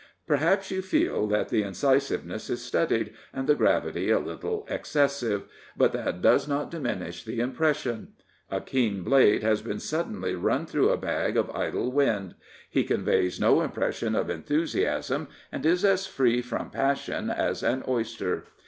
Perhaps you feel that the incisiveness is studied and the gravity a little excessive; but that does not diminish the impression. A keen blade has been suddenly run through a bag of idle wind He conveys no impression of enthusiasm and is as free from passion as an oyster.